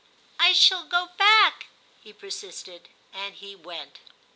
' I shall go back/ he persisted, and he went.